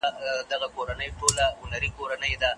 هلک د نجلۍ د عمر په اړه درواغ نه وو ويلي.